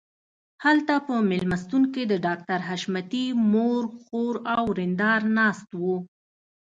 هلته په مېلمستون کې د ډاکټر حشمتي مور خور او ورېندار ناست وو